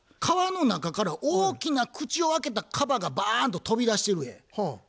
川の中から大きな口を開けたカバがバーンと飛び出してる絵。